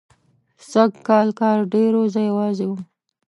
سږکال کار ډېر و، زه یوازې وم.